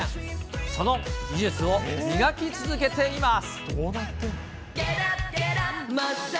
その技術を磨き続けています。